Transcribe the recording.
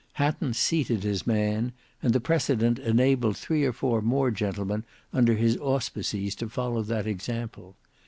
Hatton seated his man, and the precedent enabled three or four more gentlemen under his auspices to follow that example.